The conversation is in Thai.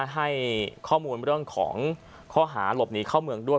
ให้ข้อมูลเรื่องของข้อหาหลบหนีเข้าเมืองด้วย